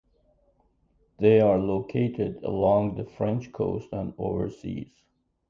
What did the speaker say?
They are located along the French coast and overseas.